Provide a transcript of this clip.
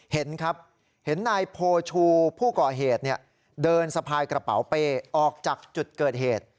เห็นครับเห็นนายโพชูผู้ก่อเหตุเดินสะพายกระเป๋าเป้ออกจากจุดเกิดเหตุ